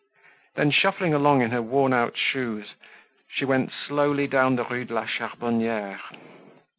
Then shuffling along in her worn out shoes, she went slowly down the Rue de la Charbonniere.